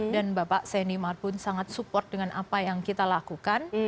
dan bapak saini mar pun sangat support dengan apa yang kita lakukan